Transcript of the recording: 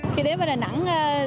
khi đến với đà nẵng